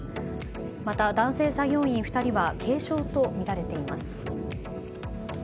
また、男性作業員２人は軽傷とみられています。